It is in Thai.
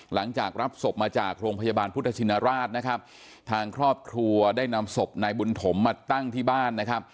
หลังจากรับศพมาจากโรงพยาบาลพุทธชินราชนะครับทางครอบครัวได้นำศพนายบุญถมมาตั้งที่บ้านนะครับ